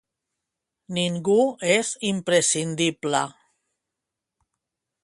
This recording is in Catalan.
Ningú és imprescindible.